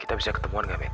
kita bisa ketemu enggak mit